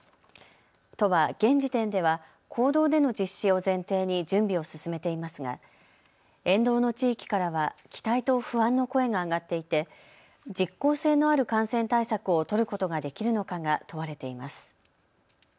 都は現時点では公道での実施を前提に準備を進めていますが、沿道の地域からは期待と不安の声が上がっていて実効性のある感染対策を取ることができるのかが問われています。